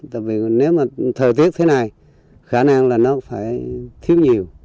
tại vì nếu mà thời tiết thế này khả năng là nó phải thiếu nhiều